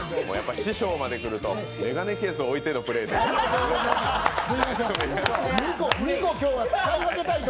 師匠まで来ると眼鏡ケースを置いてのプレーと。